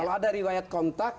kalau ada riwayat kontak